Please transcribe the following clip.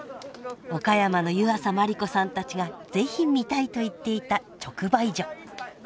岡山の湯浅万里子さんたちが是非見たいと言っていた直売所。